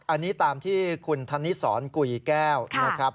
อันนี้ตามที่คุณธนิสรกุยแก้วนะครับ